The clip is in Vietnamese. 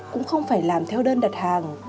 cũng không phải làm theo đơn đặt hàng